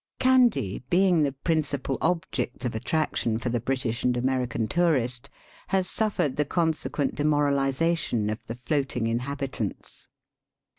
Kandy, being the principal object of attrac tion for the British and American tourist, has suffered the consequent demoralization of the floating inhabitants.